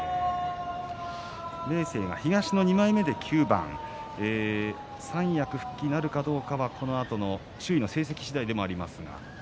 明生、東の２枚目で９番三役復帰なるかどうかはこのあとの周囲の成績次第ではあります。